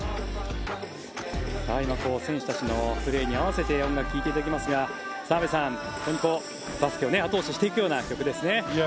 今、選手たちのプレーに合わせて音楽を聴いていただいていますが澤部さん、バスケを後押ししていくような曲ですね。